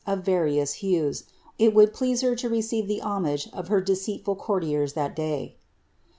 of various hues, it would please her to receive the homage of her deceitful courtiers that day.